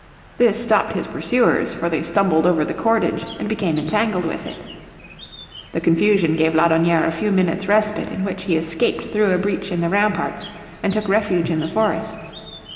This stopped his pursuers, for they stumbled over the cordage and became entangled with it. The confusion gave Laudonnière a few minutes' respite in which he escaped through a breach in the ramparts, and took refuge in the forest.